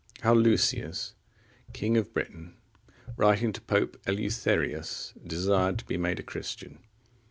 How Lucius, king of Britain, writing to Pope Eleutherus, desired to be made a Christian.